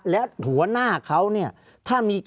ภารกิจสรรค์ภารกิจสรรค์